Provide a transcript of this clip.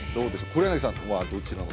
黒柳さんはどちらの？